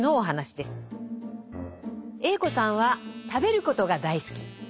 Ａ子さんは食べることが大好き。